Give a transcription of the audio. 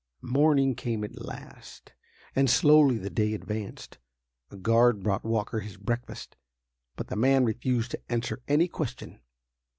Morning came at last, and slowly the day advanced. A guard brought Walker his breakfast, but the man refused to answer any question.